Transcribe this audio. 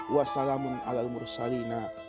wassalamun ala mursalinah